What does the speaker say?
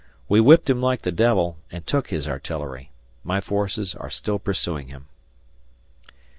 We whipped him like the devil, and took his artillery. My forces are still pursuing him.